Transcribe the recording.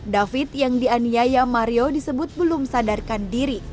david yang dianiaya mario disebut belum sadarkan diri